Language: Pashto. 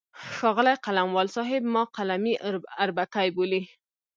ښاغلی قلموال صاحب ما قلمي اربکی بولي.